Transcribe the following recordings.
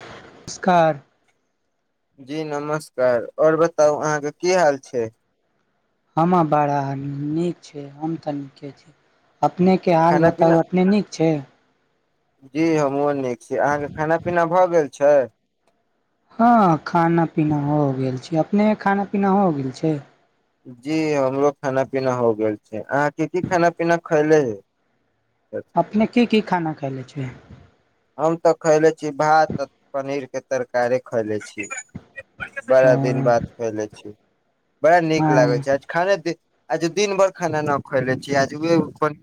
[inaudible] नमस्कार जी नमस्कार ओर बताउ अहाँ केँ की हाल छै हमर बड़ा नीक छै हम तऽ नीके छी अपने के हाल खाना पीना बताउ अपने नीक छै। जी हमहूँ निक छी अहाँकेँ खाना पीना भए गेल छै हँ खाना पीना हो गेल छै अपने खाना पीना हो गेल छै। जी हमरो खाना पीना हो गेल छै अहाँकेँ कि खाना पीना खैले हे अपने के कि खाना खायले छिय हम तऽ खैले छी भात आ पनीर के तरकारी खैले छी बड़ा हँ दिन बाद खैले छी बड़ा नीक लागे छै। खाना आज दिन भर खाना ने खुएले छिये य आज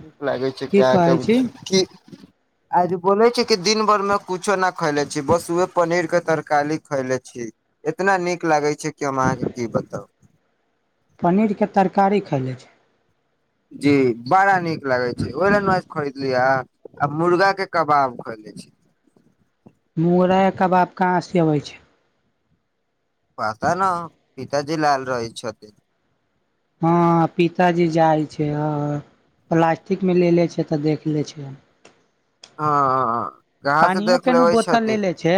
नीक लागै छै की हा कहै के छी कि आज बोले छै कि दिन भर मे कुछो न खैले छी बस उहे पनीर के तरकारी खैले छै इतना नीक लागै छै कि हम अहाँकेँ कि बताउ पनीरके तरकारी खालै छै। जी बड़ा नीक लागे छै ओहि खरीद बलि आ मुर्गा के कबाब खोले छै मुरइ कबाब कहाँ से अबै छै। पता ने पिताजी लाल रहै। हँ पिताजी जाइ छै प्लास्टिक मे ले छै तऽ देख ले छै [inaudible] हँ घ से पानियो देख के नु लेबै बोतल छथि लेले छै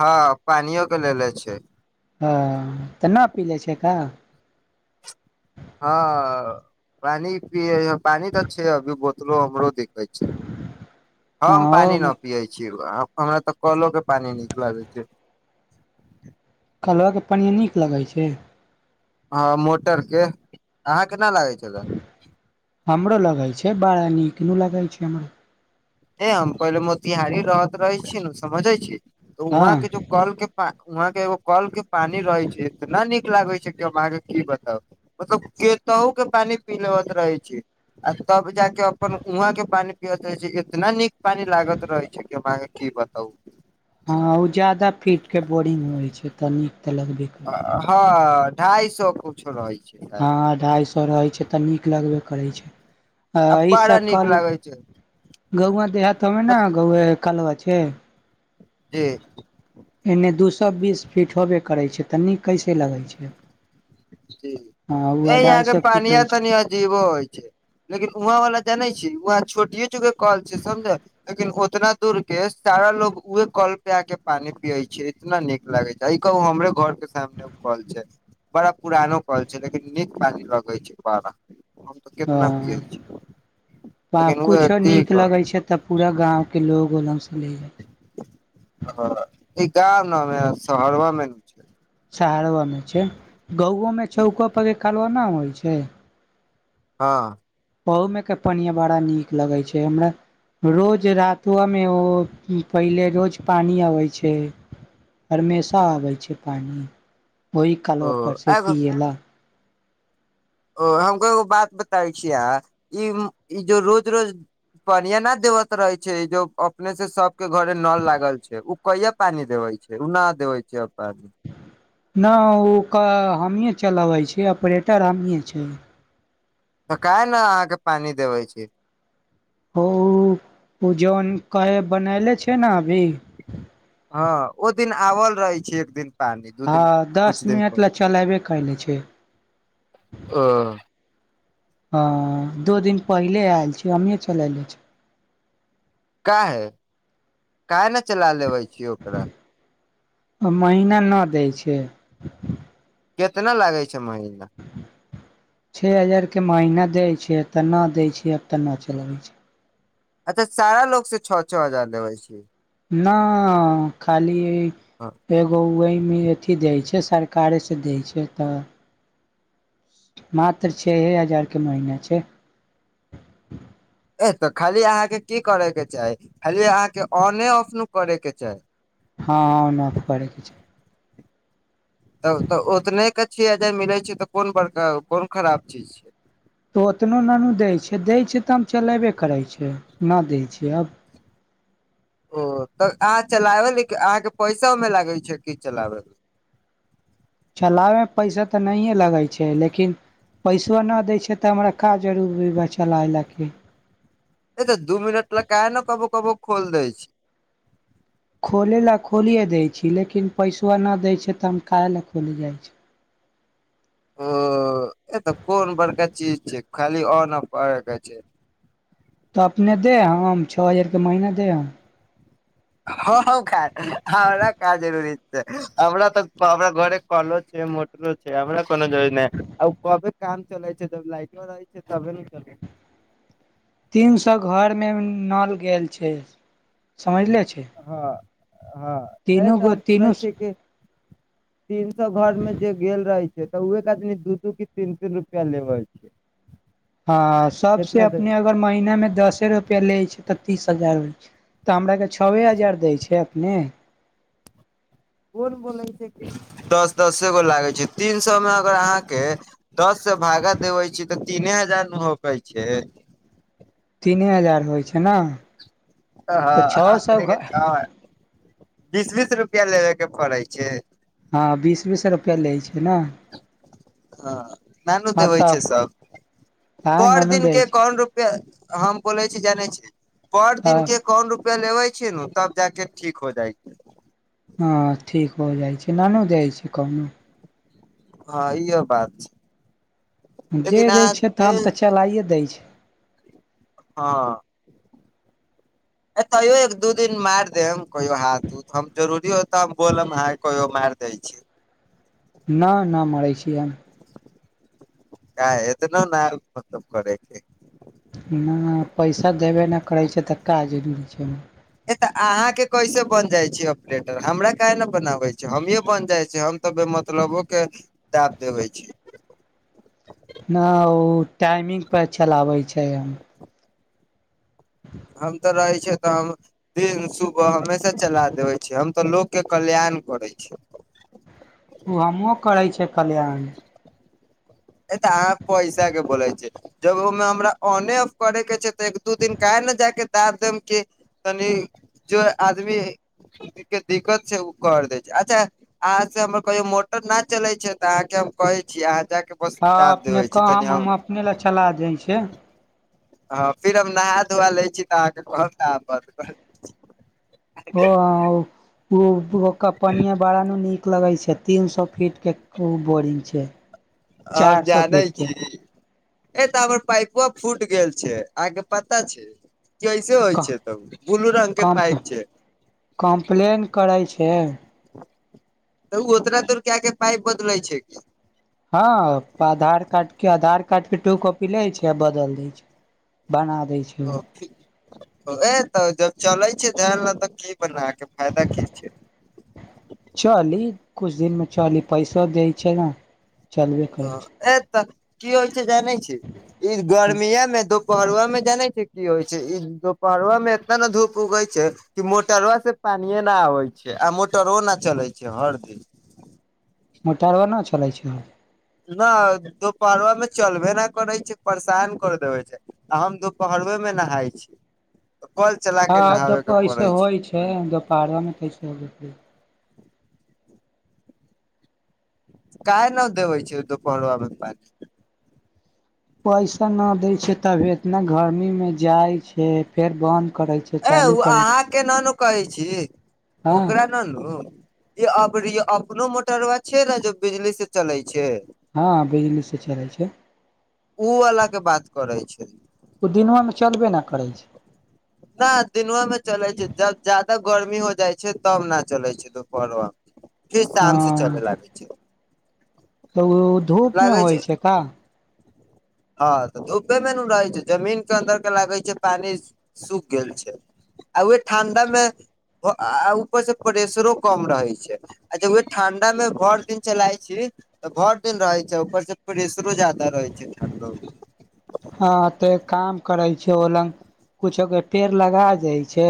हँ पानियो के लेने छै ह तऽ नहि पी लै छै हँ पानि पिय पानि त अ छै अभी दु बोत लो हमरो दि छैय हँ हम पानी ओमे नहि पियै छी। हमरा तऽ कलो के पानी निकलागै छैय। कलह के पढ़ए नीक लगैत छैय। मोटर के अहाँ केना लागै छल। हमरो लगाय छै बारा नीक ने लगाय छै हमराे। नहि हम पहिले मोतिहारी रह रहै छी ने समझै छी तऽ हँ वहा के जो कल के प वहाँ के एगो कल के पानी रहै छैय तऽ नहि नीक लागै छैय कि हम अहाँकेँ कि बताउ। मतलब केतहु के पानी पी लेबत रहै छै। आ तब जााक अपन उऊहूँ के पानि पिय रहे छै जे इतना नीक पानी लागत रहै छैय कि हम कि बताउ। ह उ जदा फीट के बोरिग होई छै त नीक ते लगबे। करै ह ढाइ सए कछ रहै छैय। ह अढ़ाइ सौ रहैत छै लय तऽ नीक लगबे करै छैय। अ आ ई बड़ा सभ नीक कल लागै छै गउआ देहात मे ने बस गौ कलवा छैय। जी। एन्ने दू सेए बीस फीट होबे करै छैय तऽ नीक कैसे लगै छैय। जी अढ़ाइ यहाँकेँ सए फीट पानिया होइ छै तनि अजीबो होइ छैय। लेकिन वहा वाला जानै छिय वहा छोटिये चुके कल छै लय समझ लेकिन ओतना दुर के सारा लोग उए कल पे आ के पानी पिये छै इतना निक लागे छै ई कह हमरे घर के सामने कल छै बड़ा पुरानो कल छै लेकिन नीक पानी लगै छैय बारा त केतना पियै हँ छैय लेकिन उह कुछो की नीक कह लगै छै तऽ पूरा गावके लोग ओल्सँ लै जाइ छैय। ह गाम नेमे शहर मे ने। शहरबा मे छैय गा ओमे छै चौको पररके कलबा नहि होइ छैय ह ओहमे के पढ़आ बड़ा नीक लगैत छैय हमरा। रोज रातवा मे ओ पहिले रोज पानि अबै छैय। हरमेशा आबे छैय पानि ओहि काल ओ पर से एगो पियए ला ओ हमको एगो बात बताै छीय ई जो रोज रोज पनिया न देवत रहे छैय जो अपने से सभके घरे नल लागल छैय। कहिया पानी देवे छैय उ नहि देवे छैय अब पानी। ओ के हमी चलाबै छीय ऑपरेटर हमी छी। काहे नहि अहाँकेँ पानी देबे छी। ओ जन कहे बनले छै ने अभी ह ओ दिन आबल रहै छैय एक दिन। पानी दू दिन हैं दस कुछ दिन मिनट पर लए चलेबे कले छिय। ओ ह दू दिन पहिले आयल छी हमही चले छेली। काहे काहे नहि चला लेबे छीय ओकरा। महीना नहि दै छैय। कितना लागे छैय महीना। छे हजार के महीना दै छैय तऽ न दै छैय अब तऽ नै चलबै छैय। अच्छा सारा लोग से छआ छआ हजार लेबे छी। न खाली एगो वहि मे अथी दै छैय सरकारे सँ दै छैय तऽ। बात तऽ छैहे हजार के महिना छैय। ए तऽ खाली अहाँकेँ कि करे के चाही खाली अहाँकेँ ऑने ऑफ न करे के छैय। ह ऑन ऑफ करे के छैय। तब तऽ ओतने के छआ हजार मिले छैय तऽ कोन बड़का कोन खराब चीज छिय। तऽ ओतनो ना दैय छै दैय छै त हम चलेबे करै छै नहि दै छय आब ओ तऽ अहाँ चलाबै ल कि अहाँकेँ पैसा ओय मे लागे छै कि चलाबे मे चलाबैय मे पैसा तऽ नहिए लगै छै लेकिन। पैसबा नहि दै छैय तऽ हमरा का जरूरी तऽ दू मिनट ल काहे न कबो कबो खोल दै छै खोलै लए खोलिये दै छी लेकिन पैसबा नहि दै छै तऽ हम काहे ल खोलि जाइ छै ओ ए तऽ कोन बड़का चीज छै खाली तऽ अपने दे छआ हज़ार महीना दे हम हँ हमरा का जरूरी छै हमरा तऽ हमरा घरे कलो छै हमरा कोनो ज नहि आ कबे काम चलै छै जब लाइटो रहै छै तबे ने चल छै। तीन सौ घर मे नल गेल छै समझले छै। ह ह तै तीनू तऽ गो हम सुनै तीनू छियै कि। तीन सौ घर मे जे गेल रहे छै त उहे के आदमी दू दू कि तीन तीन रूपा लेवे छै हँ सभ से केतना दे अपने अगर महिना मे दसे रुपआ लै छै तऽ तीस हजार होइ छै। तऽ हमरा के छओ हजार दै छै अपने कोन बोलै छै कि दस दस गो लागै छै तीन सए मे अगर अहाँकेँ दस से भागा देबै छी तऽ तीने हजार ने होकै छै। तीने हजार होइ छै ने तऽ छओ सौ अपने के घर बीस बीस रुपया लेबे के पड़ै छै हँ बीस बीस रुपया लै छै न हँ नानू देबै तब छै सब हँ पर ननू दिन दै के छै कौन रूप पे हम बोलै छी जानै छी पर हँ दिन के पर रुपया लेबे छियै नु तब जा के ठीक हो जाइ छै हँ ठीक हो जाइ छै नानू जाय छियै कहूं हँ इहो बात छै दे लेकिन दैय अहाँ छै तऽ दे हम तऽ चलाइए दै छी हँ [inaudible] तैयो एक दू दिन मारि देम कहियो हाथ हम जरूरी होतऽ हम बोलब आहा कहियो मारि दै छी। न न मारैछी हम नै एतनो नै मतलव करे के हय। ना ना पैसा देबे नहि करै छै तऽ का जरूरी छै है तऽ अहाँ के कैसे बन जाय छी ऑपलेटर हमरा काहे ने बनाबै छी हमिये बन जाय छी हम तऽ बे मतलबो के दाब देबै छी ना ऊ टाइमिंग पर चलाबै छै हम तऽ रहै छियौ तऽ हम दिन सुबह हमेशा चला देबै छी हम तऽ लोक के कल्याण करै छी उ हमहुँ करै छियै कल्याण है तऽ आहाँ पैसा के बोलै छियै जब ओहिमे हमरा ऑने ऑफ करे के छै तऽ एक दू दिन काहे ने जाके दाब देम की तनी जे आदमी के दिक्कत छै ओ कर दै छै अच्छा अहाँ से हमर कहियो मोटर न चलै छै तऽ अहाँके हम कहे छी अहाँ जाके बस हँ दाब अपने देबे छी तनि कहम हम अपने ला चला दैन छे हँ फिर हम नहा धुआ लै छी तऽ अहाँके कहब तऽ आहाँ बंद करब [unintelligible] [unintelligible] पनिए बारानू नीक लगै छै तीन सौ फीटके ऊ बोरिंग छै आब चार सौ जानै फीट के छी ए तऽ हमर पाइपवा फूट गेल छै आहाँके पता छै कैसे होइ छै तब ब्लू रंग के कम पाइप छै कम्प्लेन करै छै तऽ ओ ओतरा दूर के आके पाइप बदलै छै हँ पाधार कार्ड के आधार कार्ड के टू कॉपी लै छै आ बदल दै छै बनाब अब ठीक ए तऽ जब चलै छै धैल न तऽ की बनाके फायदा की छै चली, कुछ दिन मे चली। पैसो दै छै न चलबे करै हँ, छै ए तऽ की होइ छै जानै छी ई छै गर्मियाँ मे दुपहरवा मे जानै छै की होइ छै। ई दुपहरवा मे एतना न धूप उगै छै कि मोटरवा से पानिये न आबै छै आ मोटरवो न चलै छै हर दिन मोटरवा न चलै छै ना दोपहरवा मे चलबे न करै छै, परेशान कर देबै छै आ हम दुपहरवे मे नहाय छी। कल चला के नहाबे के पड़ै छी। दोपहरोमे कैसे होबै काय नहि देबै छै दु पहर पारी पैसा न देय छै तबी एतना गर्मी मे जाय छै फेर बंद करे छै ए ओ चालू करै छै अहाँ के ने कहै छी हँ ओकरा य अबरी अपनो मोटरवा छै ने जो बिजली से चलै छै ह बिजली से चलै छै उ वाला के बात करे छै न ओ दिनवा मे चलबे न करै छै न दिनवा मे चलै छै, जब जादा गर्मी हो जाइ छै तब न चले छै दुपहरो मे फिर हँ शाम से चलय लागै छै। त ओ धूप मे होइ छै का हँ तऽ धूपे मे नू रहै छै। जमीन के अन्दर डलाबे छै पानि सूख गेल छै आ उह ठंडा मे आ ऊ ऊपर से प्रेशरो कम रहै छै अच्छा, उह ठण्डा मे भर दिन चलाइ छी तऽ भरि दिन रहैत छै, ऊपरसँ प्रेशरो जादा रहैत छै ठण्डो मे हाँ, ते काम करै छै ओ लंग कुछो के पेड़ लगाय देय छै।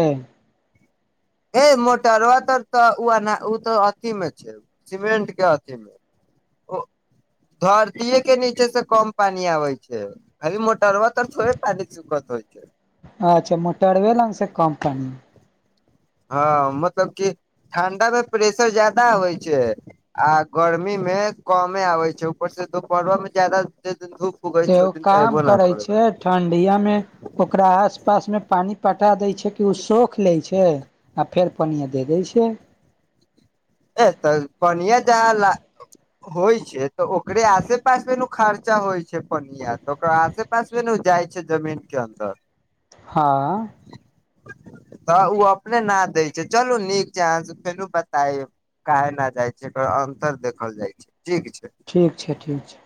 ए मोटरवा तऽ ऊ तऽ अथी मे छै, सीमेंट के अथी मे ओ धरतीये के नीचे से कम पानी आबै छै अरे मोटरवा तल थोड़े पानि सुकत होइ छै। अच्छा मोटरवे लंग से कम पानी हँ मतलब कि ठंडा मे प्रेशर जादा आबाइ छै आ गर्मी मे कमे आबे छै ऊपर से दुपहरवा मे जादा जे दिन धूप कहै छै ओन तऽ एबो नहि पै छै इया मे ओकरा आस पास मे पानी पटा दे छै कि ओ सौख ले छै आ फेर पानिया दे दै छियै ए तऽ पनिया जाल होइ छै तऽ ओकरे आसे पास मे नु खर्चा होइ छै पनिया तऽ ओकर आसे पास मे नु जाइ छै जमीन के अन्दर ह तऽ ओ अपने ना दै छै, चलू नीक छै अहा से फेरू बतायब काहे ने जाइ छै, एकर अंतर देखल जाइ छै। ठीक छै ठीक छै, ठीक छै।